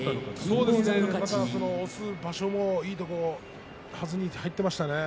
押す場所もいいはずに入っていましたね。